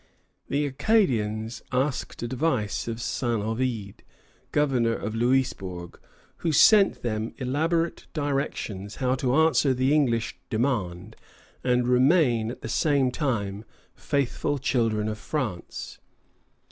The Acadians asked advice of Saint Ovide, governor at Louisbourg, who sent them elaborate directions how to answer the English demand and remain at the same time faithful children of France.